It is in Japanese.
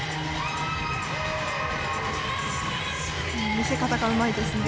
見せ方がうまいですね。